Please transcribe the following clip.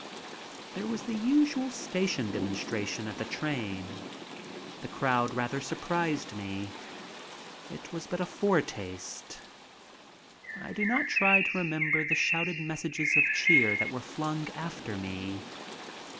There was the usual station demonstration at the train. The crowd rather surprised me. It was but a foretaste. I do not try to remember the shouted messages of cheer that were flung after me.